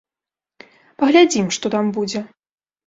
Паглядзім, што там будзе.